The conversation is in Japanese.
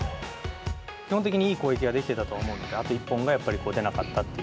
基本的にいい攻撃ができてたとは思うので、あと一本がやっぱりでなかったっていう。